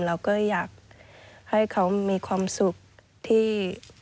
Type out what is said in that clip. เราก็อยากให้เขามีความสุขที่